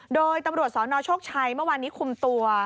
โดยตำรวจสนโชคชัยเมื่อวานนี้คุมตัว